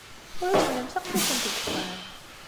Ula d kennemti aql-ikent deg uxxam?